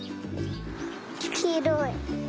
きいろい。